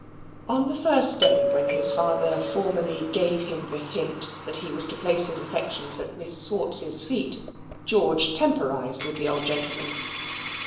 On the first day when his father formally gave him the hint that he was to place his affections at Miss Swartz's feet, George temporised with the old gentleman.